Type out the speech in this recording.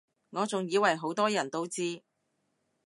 我仲以爲好多人都知